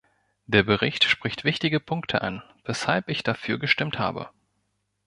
Der Bericht spricht wichtige Punkte an, weshalb ich dafür gestimmt habe.